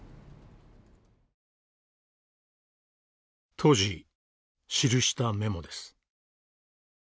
当時記したメモです。